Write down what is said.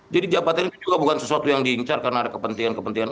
jadi jabatan ini juga bukan sesuatu yang diincar karena ada kepentingan kepentingan